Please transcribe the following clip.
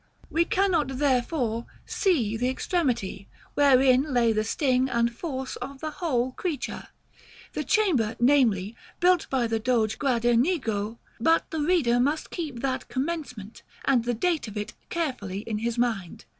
§ XIV. We cannot, therefore, see the extremity, wherein lay the sting and force of the whole creature, the chamber, namely, built by the Doge Gradenigo; but the reader must keep that commencement and the date of it carefully in his mind.